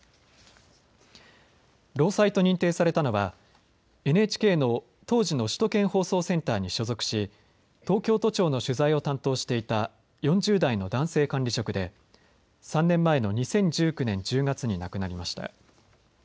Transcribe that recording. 労災と認定されたのはＮＨＫの当時の首都圏放送センターに所属し東京都庁の取材を担当していた４０代の男性管理職で３年前の２０１９年１０月に亡くなりました。